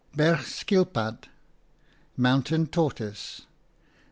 Berg schilpad, mountain tor toise.